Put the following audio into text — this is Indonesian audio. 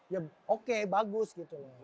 ya oke bagus gitu